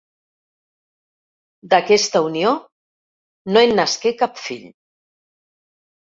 D'aquesta unió no en nasqué cap fill.